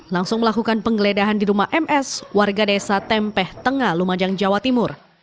langsung melakukan penggeledahan di rumah ms warga desa tempeh tengah lumajang jawa timur